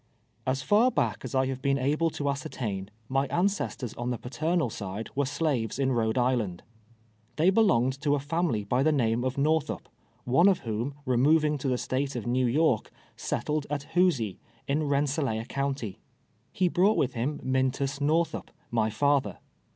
As far back as I have been able to ascertain, my ancesti>rs on the paternal side were slaves in Rhode Island. They belonged to a fomily by the name of Korthup, one of whom, removing to the State of Xew York, settled at lloosic, in Kensselaer county. lie brought with him 'Mintus Xorthup, my father.